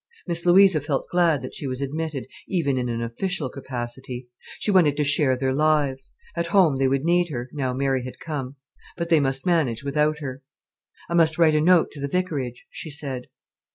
Miss Louisa felt glad that she was admitted, even in an official capacity. She wanted to share their lives. At home they would need her, now Mary had come. But they must manage without her. "I must write a note to the vicarage," she said.